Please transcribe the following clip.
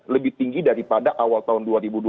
lebih tinggi daripada awal tahun dua ribu dua puluh